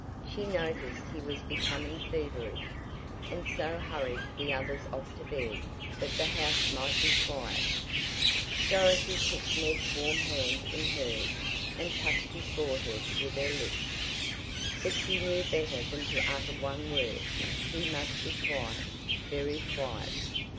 She noticed he was becoming feverish, and so hurried the others off to bed that the house might be quiet. Dorothy took Ned's warm hand in hers and touched his forehead with her lips. But she knew better than to utter one word he must be quiet, very quiet.